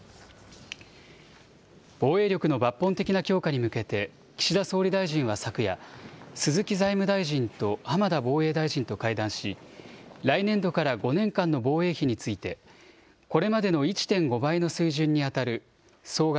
防衛力の抜本的な強化に向けて、岸田総理大臣は昨夜、鈴木財務大臣と浜田防衛大臣と会談し、来年度から５年間の防衛費について、これまでの１．５倍の水準に当たる、総額